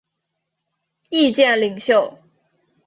意见领袖。